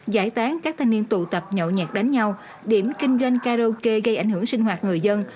giải tán các thanh niên tụ tập nhậu nhạc đánh nhau điểm kinh doanh karaoke gây ảnh hưởng sinh hoạt người dân